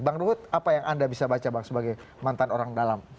bang ruhut apa yang anda bisa baca bang sebagai mantan orang dalam